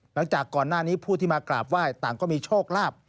หลังจากก่อนหน้านี้ผู้ที่มากราบไหว้ต่างก็มีโชคลาภ